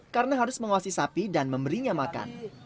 karena harus menguasai sapi dan memberinya makan